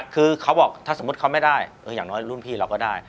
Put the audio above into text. คือเขาบอกถ้าสมมุติเขาไม่ได้อย่างน้อยรุ่นพี่เราก็ได้